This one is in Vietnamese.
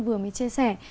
vừa mới chia sẻ